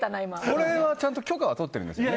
これはちゃんと許可は取ってるんですよね？